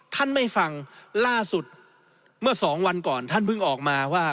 ท่านไม่ฟังล่าสุดเมื่อสองวันก่อนท่านเพิ่งออกมาว่า